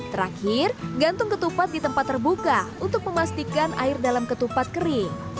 terakhir gantung ketupat di tempat terbuka untuk memastikan air dalam ketupat kering